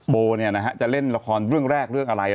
โบจะเล่นละครเรื่องแรกเรื่องอะไร